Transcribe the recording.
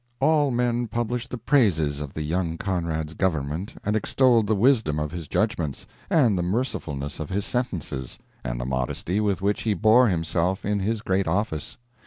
All men published the praises of the young Conrad's government and extolled the wisdom of his judgments, the mercifulness of his sentences, and the modesty with which he bore himself in his great office.